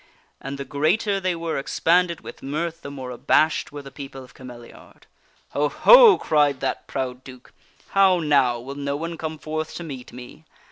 And the greater they were expanded with mirth, the more abashed were the people of Cameliard. " Ho! Ho!" cried that proud Duke. " How now ! Will no one come forth to meet me